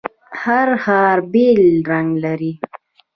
هر ښار بیل رنګ لري.